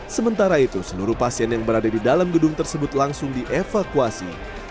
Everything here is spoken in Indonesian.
sementara itu seluruh pasien yang berada di dalam gedung tersebut langsung dievakuasi